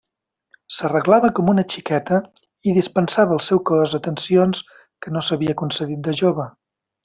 S'arreglava com una xiqueta, i dispensava al seu cos atencions que no s'havia concedit de jove.